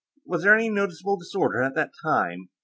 Was there any noticeable disorder at that time?